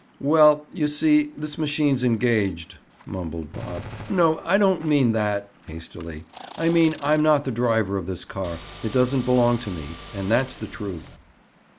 "Well, you see this machine's engaged," mumbled Bob. "No, I don't mean that." Hastily. "I mean I'm not the driver of this car. It doesn't belong to me. And that's the truth."